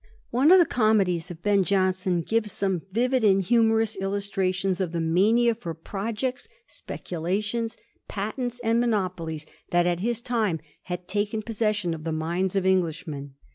X One of the comedies of Ben Jonson gives some vivid and humorous illustrations of the mania for pro jects, speculations, patents, and monopolies that at his time had taken possession of the minds of English men.